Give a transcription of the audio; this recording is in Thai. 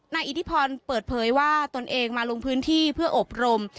อิทธิพรเปิดเผยว่าตนเองมาลงพื้นที่เพื่ออบรม